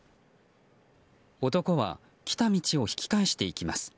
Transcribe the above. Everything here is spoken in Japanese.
男は、来た道を引き返していきます。